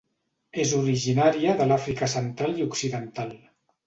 És originària de l'Àfrica central i occidental.